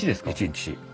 １日。